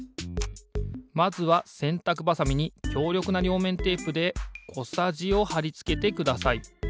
まずはせんたくばさみにきょうりょくなりょうめんテープでこさじをはりつけてください。